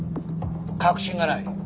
確信がない。